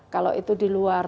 kalau itu di luar